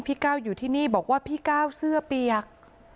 ก้าวอยู่ที่นี่บอกว่าพี่ก้าวเสื้อเปียก